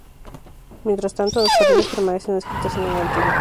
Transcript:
Mientras tanto, las paredes permanecen escritas en el altillo.